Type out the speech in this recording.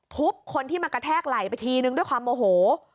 คนที่มากระแทกไหล่ไปทีนึงด้วยความโมโห